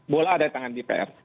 bola ada di tangan dpr